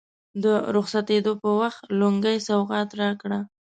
د رخصتېدو پر وخت لونګۍ سوغات راکړه.